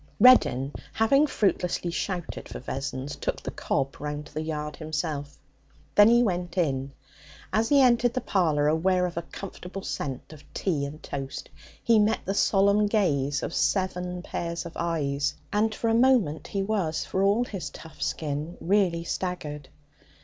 Reddin, having fruitlessly shouted for Vessons, took the cob round to the yard himself. Then he went in. As he entered the parlour, aware of a comfortable scent of tea and toast, he met the solemn gaze of seven pairs of eyes, and for a moment he was, for all his tough skin, really staggered.